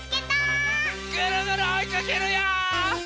ぐるぐるおいかけるよ！